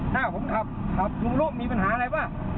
ถ้าผมขับขับกรุงรูปมีปัญหาอะไรป่ะ